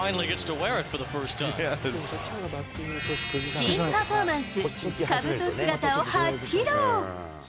新パフォーマンス、かぶと姿を初披露。